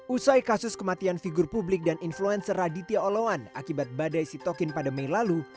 usai kasus kematian figur publik dan influencer raditya oloan akibat badai sitokin pada mei lalu